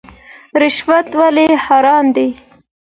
رشوت ولې حرام دی؟